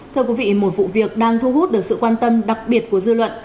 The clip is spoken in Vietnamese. thưa quý vị một vụ việc đang thu hút được sự quan tâm đặc biệt của dư luận